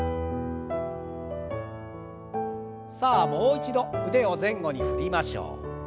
さあもう一度腕を前後に振りましょう。